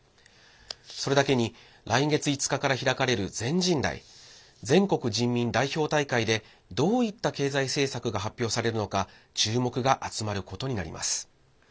それだけに来月５日から開かれる全人代＝全国人民代表大会でどういった経済政策が発表されるのか注目が集まることになります。